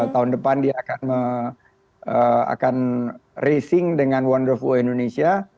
tahun depan dia akan racing dengan wonderful indonesia